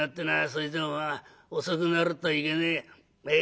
それじゃあまあ遅くなるといけねえ。